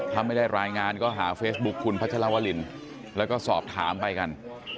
ถ้าไม่ได้รายงานก็หาเฟซบุ๊คคุณพัชรวรินแล้วก็สอบถามไปกัน